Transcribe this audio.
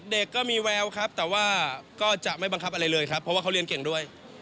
เด็กก็มีแววครับแต่ว่าก็จะไม่บังคับอะไรเลยครับเพราะว่าเขาเรียนเก่งด้วย